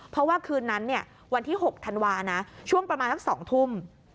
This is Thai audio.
เพราะว่าคืนนั้นวันที่๖ธันวานะช่วงประมาณสัก๒ทุ่ม